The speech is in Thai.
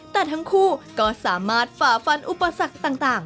แต่ทั้งคู่ก็สามารถฝ่าฟันอุปสรรคต่าง